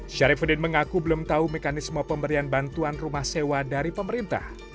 syarifudin mengaku belum tahu mekanisme pemberian bantuan rumah sewa dari pemerintah